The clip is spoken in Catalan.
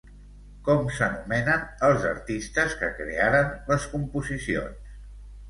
Com s'anomenen els artistes que crearen les composicions?